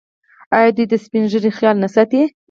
آیا دوی د سپین ږیرو خیال نه ساتي؟